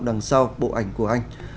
đằng sau bộ ảnh của anh